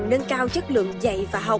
nâng cao chất lượng dạy và học